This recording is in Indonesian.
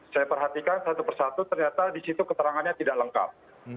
saya perhatikan satu persatu ternyata di situ keterangannya tidak lengkap